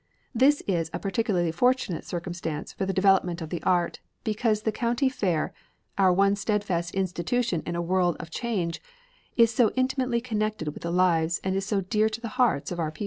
This is a particularly fortunate circumstance for the development of the art, because the county fair, "our one steadfast institution in a world of change," is so intimately connected with the lives and is so dear to the hearts of our people.